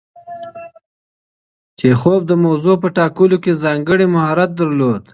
چیخوف د موضوع په ټاکلو کې ځانګړی مهارت درلود.